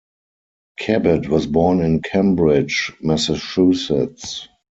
Cabot was born in Cambridge, Massachusetts.